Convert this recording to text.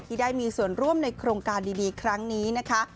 ที่ได้มีส่วนร่วมในโครงการดีครั้งนี้นะคะ